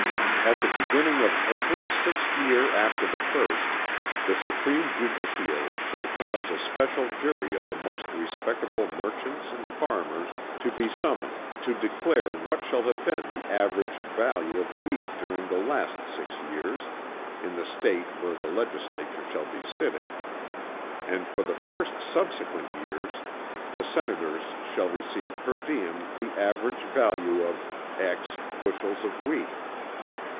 At the beginning of every sixth year after the first the supreme judiciary shall cause a special jury of the most respectable merchants and farmers to be summoned to declare what shall have been the averaged value of wheat during the last six years, in the State where the legislature shall be sitting; and for the six subsequent years, the Senators shall receive per diem the averaged value of bushels of wheat."